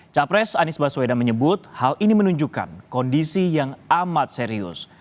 capres anies baswedan menyebut hal ini menunjukkan kondisi yang amat serius